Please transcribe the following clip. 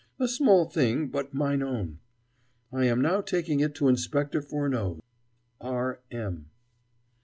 "A small thing but mine own." I am now taking it to Inspector Furneaux's. R. M.